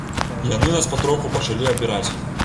І яны нас патроху пачалі абіраць.